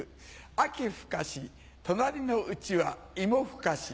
秋深し隣のうちは芋ふかし。